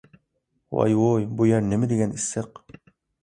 ۋاي-ۋۇي، بۇ يەر نېمىدېگەن ئىسسىق!